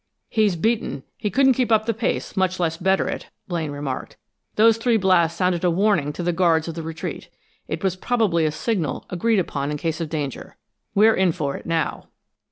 "He's beaten! He couldn't keep up the pace, much less better it," Blaine remarked. "Those three blasts sounded a warning to the guards of the retreat. It was probably a signal agreed upon in case of danger. We're in for it now!"